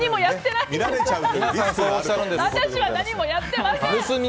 私は何もやってません！